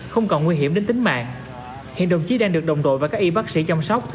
không còn nguy hiểm đến tính mạng hiện đồng chí đang được đồng đội và các y bác sĩ chăm sóc